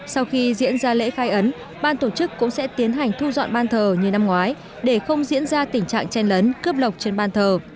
sau khi diễn ra lễ khai ấn ban tổ chức cũng sẽ tiến hành thu dọn ban thờ như năm ngoái để không diễn ra tình trạng chen lấn cướp lọc trên ban thờ